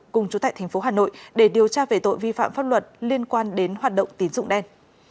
cùng chú tại thành phố hà nội để điều tra về tội vi phạm pháp luật liên quan đến hoạt động tín dụng đen